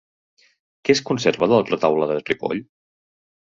Què es conserva del Retaule de Ripoll?